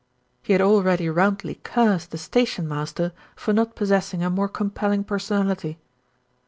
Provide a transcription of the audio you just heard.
He had already roundly cursed the station master for not possessing a more compelling person ality.